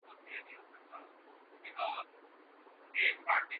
Dargwa